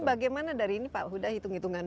bagaimana dari ini pak huda hitung hitungan